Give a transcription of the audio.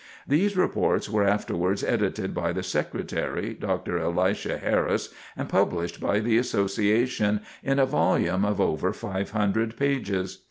These reports were afterwards edited by the secretary, Dr. Elisha Harris, and published by the Association in a volume of over 500 pages.